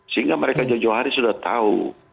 sehingga mereka jauh jauh hari sudah tahu